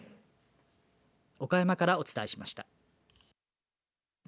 岡山からお伝えしました。